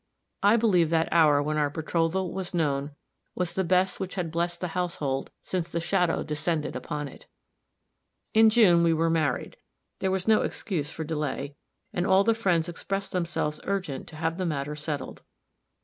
I believe that hour when our betrothal was known was the best which had blessed the household since the shadow descended upon it. In June we were married; there was no excuse for delay, and all the friends expressed themselves urgent to have the matter settled.